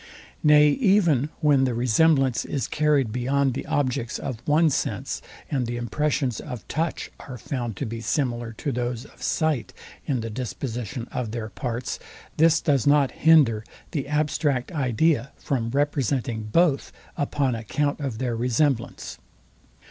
Nay even when the resemblance is carryed beyond the objects of one sense, and the impressions of touch are found to be Similar to those of sight in the disposition of their parts; this does not hinder the abstract idea from representing both, upon account of their resemblance.